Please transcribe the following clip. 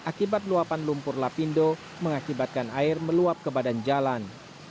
akibat luapan lumpur lapindo mengakibatkan air meluap ke badan jalan